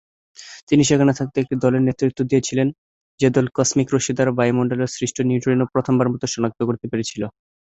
তিনি সেখানে থাকতে একটি দলের নেতৃত্ব দিয়েছিলেন, যে দল কসমিক রশ্মি দ্বারা বায়ুমণ্ডলে সৃষ্ট নিউট্রিনো প্রথমবারের মত শনাক্ত করতে পেরেছিল।